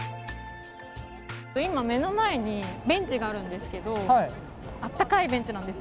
今、目の前にベンチがあるんですけどあったかいベンチなんです。